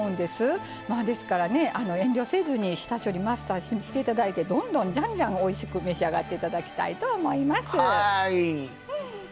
ですからね遠慮せずに下処理マスターして頂いてどんどんじゃんじゃんおいしく召し上がって頂きたいと思います。